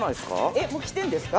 えっもう来てるんですか？